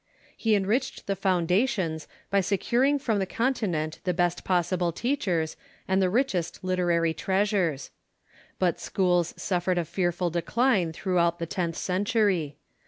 He enriched the foun dations by securing from the Continent tlie best possible teach ers and the richest literary treasures. But schools suffered a fearful decline throughout the tenth century.